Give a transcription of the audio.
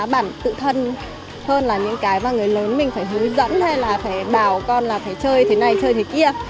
bản tự thân hơn là những cái mà người lớn mình phải hướng dẫn hay là phải bảo con là phải chơi thế này chơi thế kia